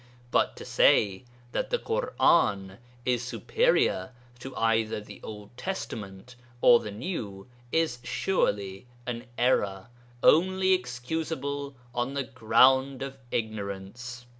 But to say that the Ḳur'an is superior to either the Old Testament or the New is, surely, an error, only excusable on the ground of ignorance.